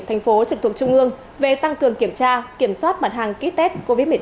thành phố trực thuộc trung ương về tăng cường kiểm tra kiểm soát mặt hàng ký tết covid một mươi chín